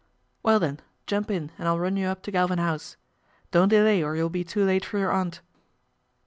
' Well then, jump in and I'll run you up to Salvin House. Don't delay or you'll be too late :or your aunt."